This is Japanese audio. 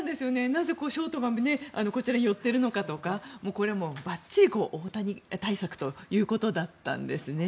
なぜショートがこちらに寄ってるのかとかこれは、ばっちり大谷対策ということだったんですね。